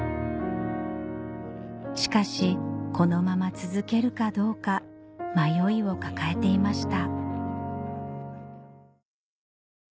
しかしこのまま続けるかどうか迷いを抱えていました